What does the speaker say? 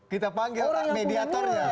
kita panggil mediatornya